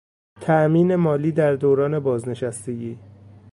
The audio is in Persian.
تامین مالی در دوران بازنشستگی